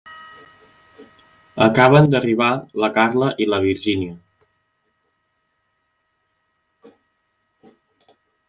Acaben d'arribar la Carla i la Virgínia.